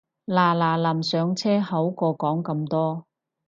嗱嗱臨上車好過講咁多